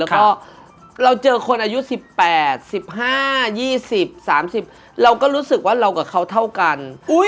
แล้วก็เราเจอคนอายุ๑๘๑๕๒๐๓๐เราก็รู้สึกว่าเรากับเขาเท่ากัน